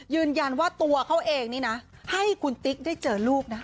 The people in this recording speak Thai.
ยืนยันว่าตัวเขาเองนี่นะให้คุณติ๊กได้เจอลูกนะ